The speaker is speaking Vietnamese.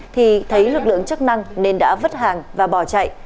thì thấy lực lượng chức năng nên đã vứt hàng và bỏ chạy